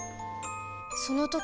その時